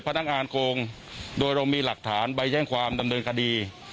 พนักงานโกงโดยเรามีหลักฐานใบแจ้งความดำเนินคดี